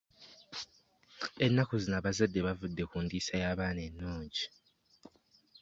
Ennaku zino abazadde bavudde ku ndiisa y'abaana ennungi.